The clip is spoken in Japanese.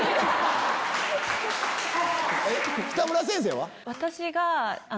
北村先生は？